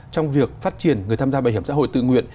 trong việc phát triển người tham gia bảo hiểm xã hội tự nguyện